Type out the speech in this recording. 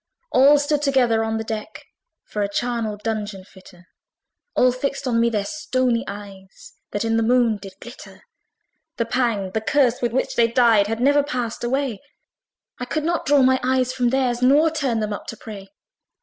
All stood together on the deck, For a charnel dungeon fitter: All fixed on me their stony eyes, That in the Moon did glitter. The pang, the curse, with which they died, Had never passed away: I could not draw my eyes from theirs, Nor turn them up to pray.